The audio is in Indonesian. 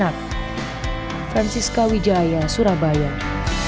haris juga menerima buku kepada anak anak